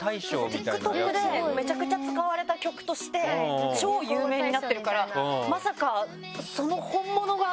ＴｉｋＴｏｋでめちゃくちゃ使われた曲として超有名になってるからまさかその本物が。